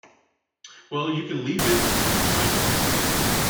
Well, you can leave it, if you like.